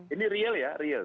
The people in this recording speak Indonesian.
ini real ya real